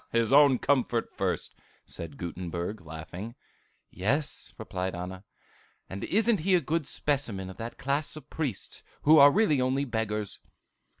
'" "His own comfort first!" said Gutenberg, laughing. "Yes," replied Anna, "and isn't he a good specimen of that class of priests, who are really only beggars?